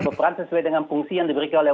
beperan sesuai dengan fungsi yang diberikan oleh